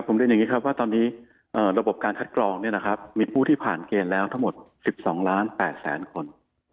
ผมเรียนอย่างนี้ครับว่าตอนนี้ระบบการคัดกรองมีผู้ที่ผ่านเกณฑ์แล้วทั้งหมด๑๒ล้าน๘แสนคน